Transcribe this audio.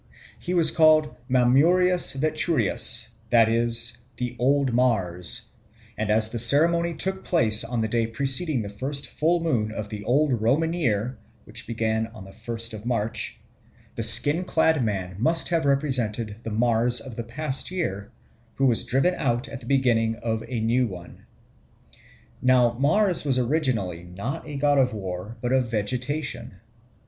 He was called Mamurius Veturius, that is, "the old Mars," and as the ceremony took place on the day preceding the first full moon of the old Roman year (which began on the first of March), the skin clad man must have represented the Mars of the past year, who was driven out at the beginning of a new one. Now Mars was originally not a god of war but of vegetation.